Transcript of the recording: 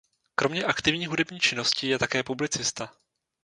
Kromě aktivní hudební činnosti je také publicista.